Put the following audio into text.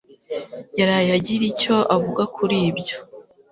yaraye agira icyo avuga kuri ibyo